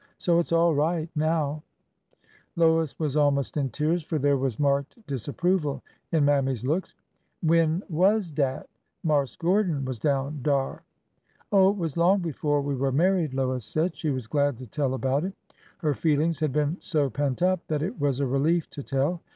So it 's all right — now !" Lois was almost in tears, for there was marked disap proval in Mammy's looks. " When zvas dat Marse Gordon was down dar ?"" Oh, it was long before we were married," Lois said. She was glad to tell about it. Her feelings had been so pent up that it was a relief to tell.